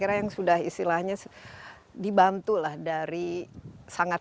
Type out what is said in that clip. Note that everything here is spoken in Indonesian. ifway sahaja przezawang quest data halu mencari obat